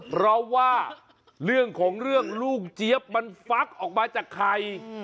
เพราะว่าเรื่องของเรื่องลูกเจี๊ยบมันฟักออกมาจากไข่